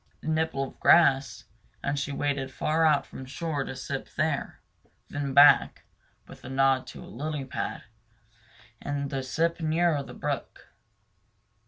A nibble of grass, and she waded far out from shore to sip there; then back, with a nod to a lily pad, and a sip nearer the brook.